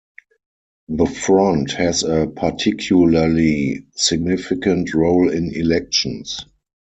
The Front has a particularly significant role in elections.